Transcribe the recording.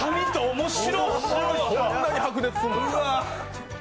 こんなに白熱すんの。